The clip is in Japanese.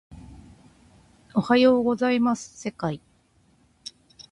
おはようございます世界